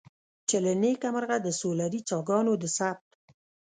چې له نیکه مرغه د سولري څاګانو د ثبت.